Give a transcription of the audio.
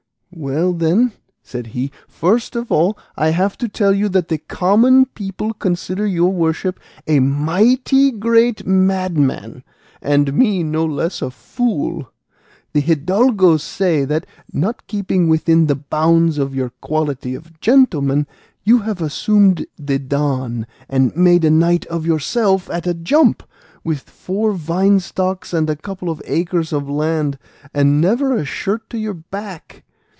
"Well then," said he, "first of all, I have to tell you that the common people consider your worship a mighty great madman, and me no less a fool. The hidalgos say that, not keeping within the bounds of your quality of gentleman, you have assumed the 'Don,' and made a knight of yourself at a jump, with four vine stocks and a couple of acres of land, and never a shirt to your back.